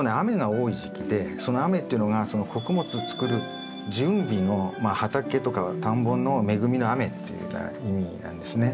多い時期でその雨っていうのがその穀物を作る準備のまあ畑とか田んぼの恵みの雨っていうような意味なんですね。